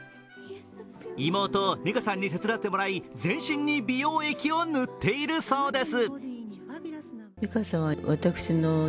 妹・美香さんに手伝ってもらい全身に美容液を塗っているそうです。